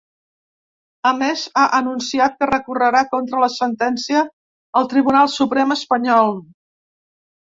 A més, ha anunciat que recorrerà contra la sentència al Tribunal Suprem espanyol.